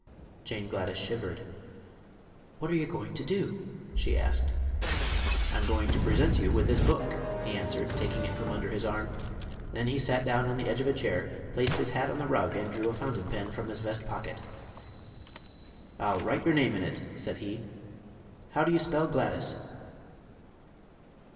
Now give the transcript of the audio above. Jane Gladys shivered. "What are you going to do?" she asked. "I'm going to present you with this book," he answered, taking it from under his arm. Then he sat down on the edge of a chair, placed his hat on the rug and drew a fountain pen from his vest pocket. "I'll write your name in it," said he. "How do you spell Gladys?"